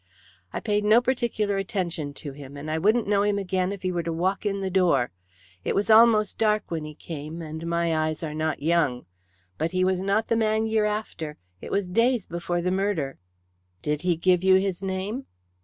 "I paid no particular attention to him, and I wouldn't know him again if he were to walk in the door. It was almost dark when he came, and my eyes are not young. But he was not the man ye're after. It was days before the murder." "Did he give you his name?"